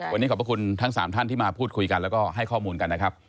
วันนี้ขอบพระคุณทั้ง๓ท่านที่มาพูดคุยกันแล้วก็ให้ข้อมูลกันนะครับ